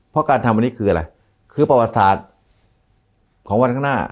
เพราะการทำวันนี้คืออะไรคือประวัติศาสตร์ของวันข้างหน้า